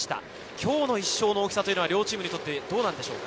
今日の１勝の大きさは両チームにとってどうですか？